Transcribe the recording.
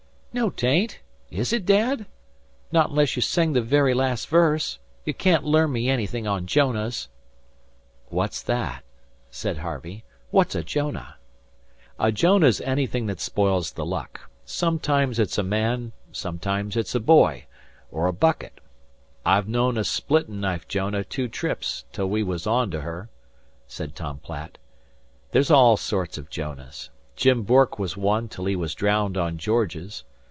"No, 'tain't, is it, Dad? Not unless you sing the very las' verse. You can't learn me anything on Jonahs!" "What's that?" said Harvey. "What's a Jonah?" "A Jonah's anything that spoils the luck. Sometimes it's a man sometimes it's a boy or a bucket. I've known a splittin' knife Jonah two trips till we was on to her," said Tom Platt. "There's all sorts o' Jonahs. Jim Bourke was one till he was drowned on Georges.